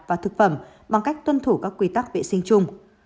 và thực phẩm bằng cách tuân thủ các quy tắc vệ sinh chung